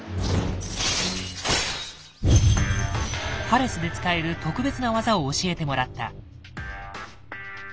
パレスで使える特別な技を教えてもらった。